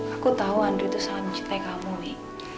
aku tahu andre itu salah mencintai kamu wi